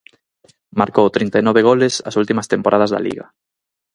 Marcou trinta e nove goles as últimas temporadas da Liga.